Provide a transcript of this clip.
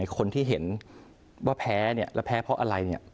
คนที่เห็นว่าแพ้เนี่ยแล้วแพ้เพราะอะไรเนี่ย